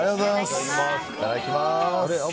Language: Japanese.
いただきます。